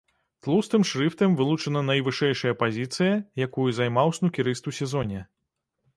Тлустым шрыфтам вылучана найвышэйшая пазіцыя, якую займаў снукерыст у сезоне.